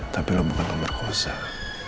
tapi lo bukan pemerkuasa